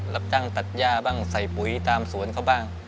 รับจ้างตัดย่าบ้างใส่ปุ๋ยตามสวนเขาบ้าง